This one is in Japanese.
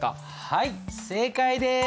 はい正解です！